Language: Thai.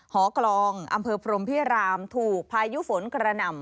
อกลองอำเภอพรมพิรามถูกพายุฝนกระหน่ำ